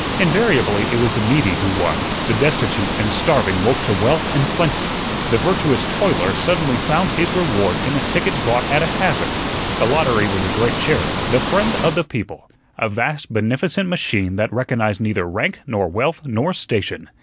Invariably it was the needy who won, the destitute and starving woke to wealth and plenty, the virtuous toiler suddenly found his reward in a ticket bought at a hazard; the lottery was a great charity, the friend of the people, a vast beneficent machine that recognized neither rank nor wealth nor station.